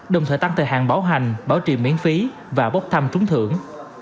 đồng thời tăng thời hạn bảo hành bảo trì miễn phí và bốc thăm trúng thưởng